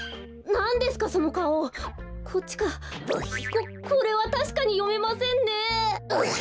ここれはたしかによめませんねえ。